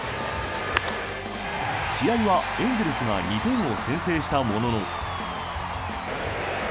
試合はエンゼルスが２点を先制したものの。